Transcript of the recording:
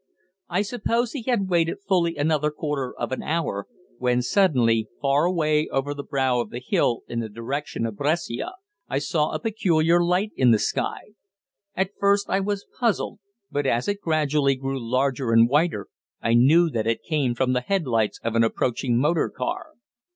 I suppose he had waited fully another quarter of an hour, when suddenly, far away over the brow of the hill in the direction of Brescia, I saw a peculiar light in the sky. At first I was puzzled, but as it gradually grew larger and whiter I knew that it came from the head lights of an approaching motor car.